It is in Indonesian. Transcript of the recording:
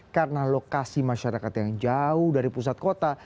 karena lokasi masyarakat yang jauh dari pusat kota